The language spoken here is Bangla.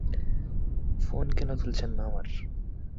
ফোন কেন তুলছেন না আমার?